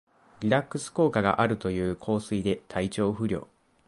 リラックス効果があるという香水で体調不良